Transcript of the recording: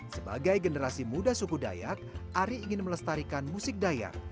sebagai generasi muda suku dayak ari ingin melestarikan musik dayak